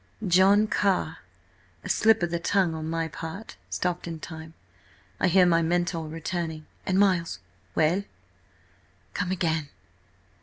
"John Carr–a slip of the tongue on my part, stopped in time. I hear my mentor returning–and–Miles!" "Well?" "Come again!"